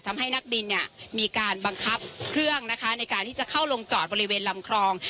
นักบินเนี่ยมีการบังคับเครื่องนะคะในการที่จะเข้าลงจอดบริเวณลำคลอง